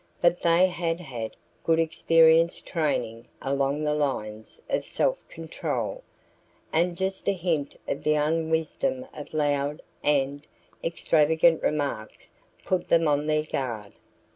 But they had had good experience training along the lines of self control, and just a hint of the unwisdom of loud and extravagant remarks put them on their guard.